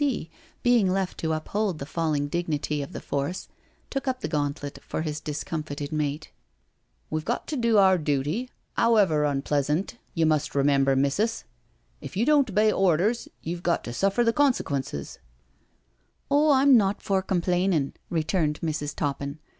B. C, being left to uphold the fall ing dignity of the force, took up the gauntlet for his discomfited mate. " We've got to do our dooty, 'owever unpleasant. IN THE COURTYARD 77 you must remember, missus. If you don't obey orders you've got to suffer the consequences," " Oh, I'm not for complainin*," returned Mrs. Top pin.